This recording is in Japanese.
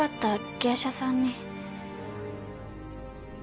芸者さん？